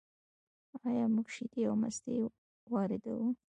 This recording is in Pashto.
آیا موږ شیدې او مستې واردوو؟